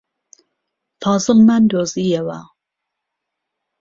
فازڵمان دۆزییەوە.